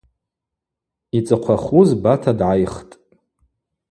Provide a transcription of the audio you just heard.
Йцӏыхъвахуз Бата дгӏайхтӏ.